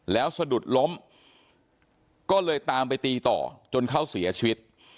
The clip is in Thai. แล้วสะดุดล้มก็เลยตามไปตีต่อจนเขาเสียชีวิต